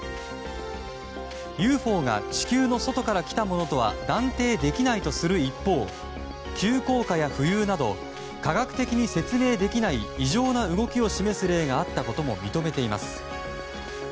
ＵＦＯが地球の外から来たものとは断定できないとする一方急降下や浮遊など科学的に説明できない異常な動きを示す例があったことも認めています。